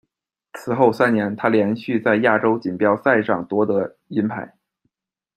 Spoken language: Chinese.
此后三年，她连续在亚洲锦标赛上夺得银牌。